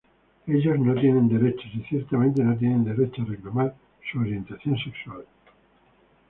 Ellos "no tienen derechos y ciertamente no tienen derecho a reclamar su orientación sexual.